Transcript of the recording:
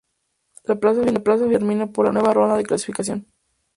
La plaza final se determina por la nueva ronda de clasificación.